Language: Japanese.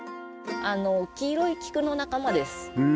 黄色いキクの仲間です。